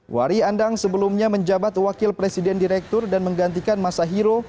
wari andang sebelumnya menjabat wakil presiden direktur dan menggantikan masa hero